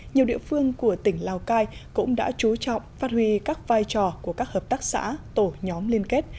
nhiều địa phương của tỉnh lào cai cũng đã chú trọng phát huy các vai trò của các hợp tác xã tổ nhóm liên kết